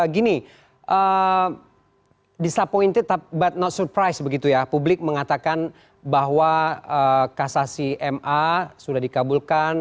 gini disappointed but not surprised begitu ya publik mengatakan bahwa kasasi ma sudah dikabulkan